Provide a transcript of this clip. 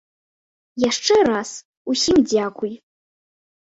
Яшчэ раз усім дзякуй.